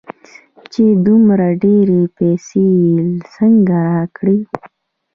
چې دومره ډېرې پيسې يې څنگه راکړې.